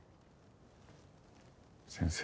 先生。